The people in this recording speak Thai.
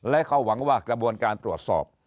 และเขาหวังว่ากระบวนการตรวจสอบ